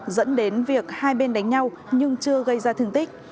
dẫn đến việc hai bên đánh nhau nhưng chưa gây ra thương tích